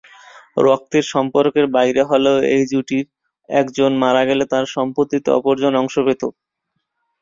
রক্তের সম্পর্কের বাইরে হলেও এই জুটির একজন মারা গেলে তার সম্পত্তিতে অপরজন অংশ পেত।